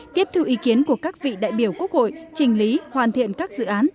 tiếp thư ý kiến của các vị đại biểu quốc hội trình lý hoàn thiện các dự án